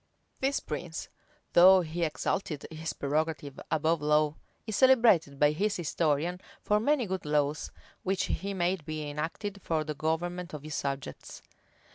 This prince, though he exalted his prerogative above law is celebrated by his historian for many good laws, which he made be enacted for the government of his subjects.